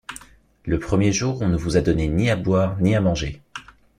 Le premier jour on ne vous a donné ni à boire ni à manger.